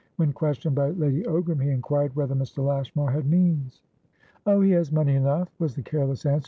When questioned by Lady Ogram, he inquired whether Mr. Lashmar had means. "Oh, he has money enough," was the careless answer.